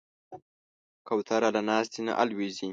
کوتره له ناستې نه الوزي.